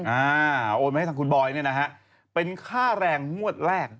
โอนมาให้ทางคุณบอยเนี่ยนะฮะเป็นค่าแรงงวดแรก